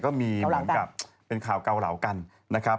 ก็มีเหมือนกับเป็นข่าวเกาเหลากันนะครับ